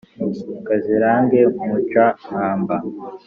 kazirage muca-nkamba